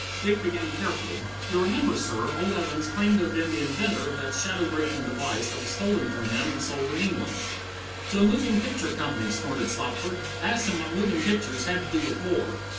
Dick began carefully: "You'll remember, sir, old Evans claimed to have been the inventor of that shadow breaking device that was stolen from him and sold in England." "To a moving picture company!" snorted Stopford. "I asked him what moving pictures had to do with war."